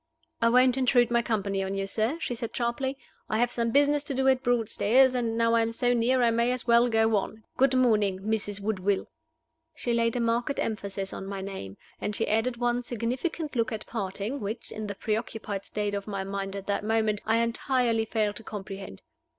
"I won't intrude my company on you, sir," she said, sharply. "I have some business to do at Broadstairs, and, now I am so near, I may as well go on. Good morning, Mrs. Woodville." She laid a marked emphasis on my name, and she added one significant look at parting, which (in the preoccupied state of my mind at that moment) I entirely failed to comprehend.